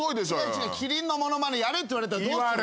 違うキリンの物まねやれって言われたらどうする？